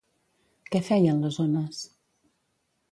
Què feien les ones?